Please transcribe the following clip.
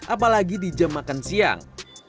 apalagi di jam makan siang